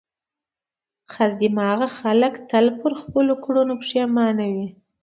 خر دماغه خلک تل پر خپلو کړنو پښېمانه وي.